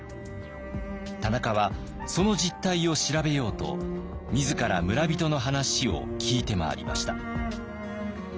田中はその実態を調べようと自ら村人の話を聞いて回りました。